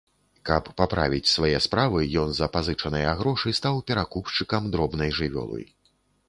Каб паправіць свае справы, ён за пазычаныя грошы стаў перакупшчыкам дробнай жывёлы.